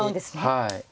はい。